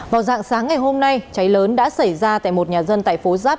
vào dạng sáng ngày hôm nay cháy lớn đã xảy ra tại một nhà dân tại phố giáp